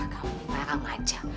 kamu tarang aja